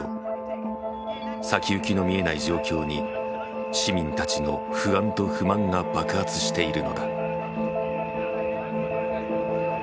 先行きの見えない状況に市民たちの不安と不満が爆発しているのだ。